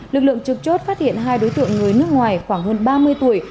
lực lượng trực chốt phát hiện hai đối tượng người nước ngoài khoảng hơn ba mươi tuổi